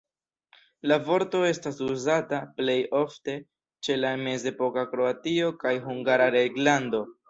La vorto estas uzata plej ofte ĉe la mezepoka Kroatio kaj Hungara Reĝlando.